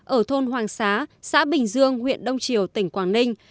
ở thôn hoàng xá xã bình dương huyện đông triều tỉnh quảng ninh